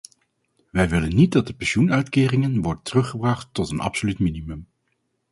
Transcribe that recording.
Wij willen niet dat de pensioenuitkeringen wordt teruggebracht tot een absoluut minimum.